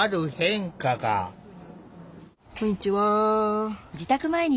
こんにちは。